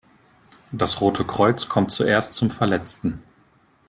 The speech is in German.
Das Rote Kreuz kommt zuerst zum Verletzten.